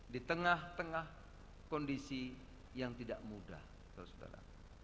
di tengah tengah kondisi yang tidak mudah saudara saudara